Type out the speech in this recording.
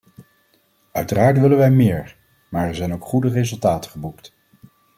Uiteraard willen wij meer, maar er zijn ook goede resultaten geboekt.